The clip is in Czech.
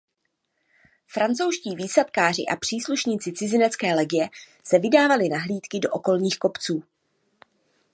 Francouzští výsadkáři a příslušníci cizinecké legie se vydávali na hlídky do okolních kopců.